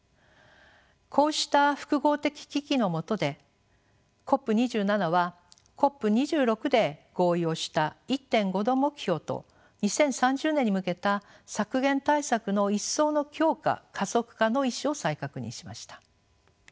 こうした複合的危機のもとでＣＯＰ２７はＣＯＰ２６で合意をした１．５℃目標と２０３０年に向けた削減対策の一層の強化加速化の意思を再確認しました。